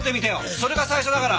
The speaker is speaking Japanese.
それが最初だから。